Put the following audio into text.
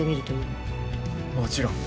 もちろん。